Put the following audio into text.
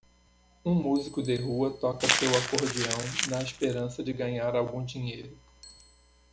Um músico de rua toca seu acordeão na esperança de ganhar algum dinheiro.